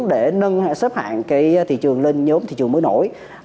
để nâng xếp hạng thị trường lên nhóm thị trường mới nổi